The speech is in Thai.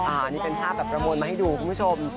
อันนี้เป็นภาพแบบประมวลมาให้ดูคุณผู้ชม